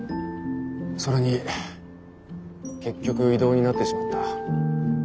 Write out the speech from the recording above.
それに結局異動になってしまった。